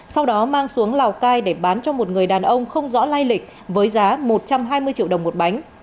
sau đó mang xuống lào cai để bán cho một người đàn ông không rõ lai lịch với giá một trăm hai mươi triệu đồng một bánh